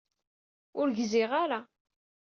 Ur gziɣ ara.